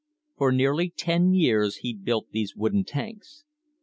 For nearly ten years he built these wooden tanks.